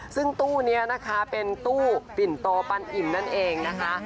ซึ่งตู้นี้นะคะเป็นตู้ปิ่นโตปันอิ่มนั่นเองนะคะ